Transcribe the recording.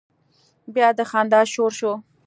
بيا د خندا شور شو.